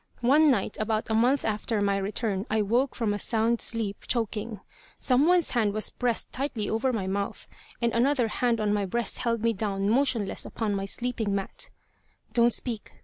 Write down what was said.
One night about a month after my return, I woke from a sound sleep, choking. Some one's hand was pressed tightly over my mouth, and another hand on my breast held me down motionless upon my sleeping mat. "Don't speak!"